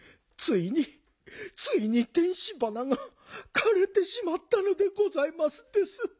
ついについにテンシバナがかれてしまったのでございますです。